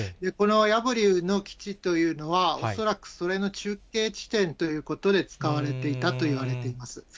このヤボリウの基地というのは、恐らくそれの中継地点ということで使われていたといわれています。